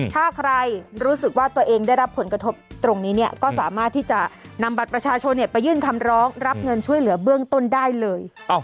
ถ้าใครรู้สึกว่าตัวเองได้รับผลกระทบตรงนี้เนี่ยก็สามารถที่จะนำบัตรประชาชนไปยื่นคำร้องรับเงินช่วยเหลือเบื้องต้นได้เลย